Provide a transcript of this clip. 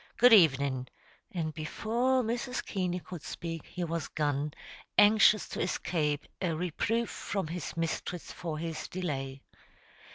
Good evenin'," and before Mrs. Keaney could speak, he was gone, anxious to escape a reproof from his mistress for his delay.